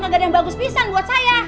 gak ada yang bagus pisang buat saya